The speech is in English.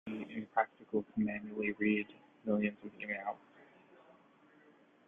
It would be impractical to manually read millions of emails.